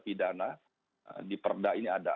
pidana diperda ini ada